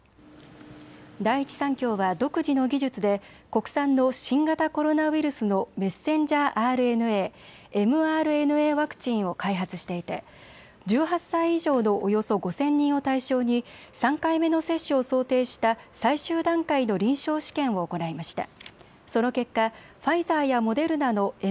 第一三共は独自の技術で国産の新型コロナウイルスのメッセンジャーＲＮＡ・ｍＲＮＡワクチンを開発していて１８歳以上のおよそ５０００人を対象に３回目の接種を想定した最終段階の臨床試験を行いました。